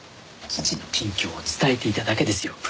父の近況を伝えていただけですよ。